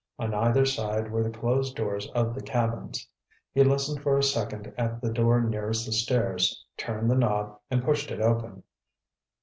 On either side were the closed doors of the cabins. He listened for a second at the door nearest the stairs, turned the knob and pushed it open.